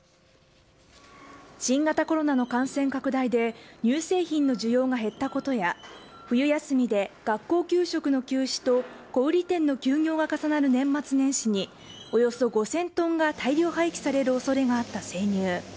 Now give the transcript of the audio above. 新型コロナの感染拡大で、乳製品の需要が減ったことや、冬休みで学校給食の休止と小売り店の休業が重なる年末年始に、およそ５０００トンが大量廃棄されるおそれがあった生乳。